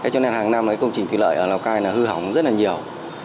cho nên hàng năm công trình thủy lợi ở lào cai là hư hỏng rất là nhiều